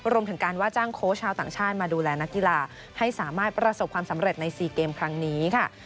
รวมถึงการว่าจ้างโค้ชชาวต่างชาติมาดูแลนักกีฬาให้สามารถประสบความสำเร็จใน๔เกมครั้งนี้ค่ะ